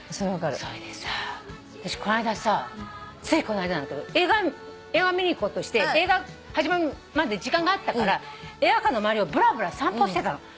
それで私ついこの間なんだけど映画を見に行こうとして映画始まるまで時間があったから映画館の周りをぶらぶら散歩してたの。